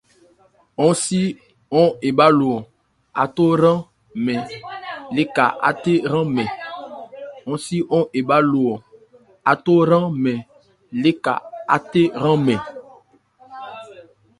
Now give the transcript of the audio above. Hɔ́n si ɔ́n ebhá lo ɔn, átho hran mɛn léka áthé hran mɛn ?